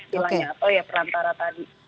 bilangnya atau ya perantara tadi